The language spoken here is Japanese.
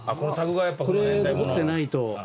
これ残ってないと。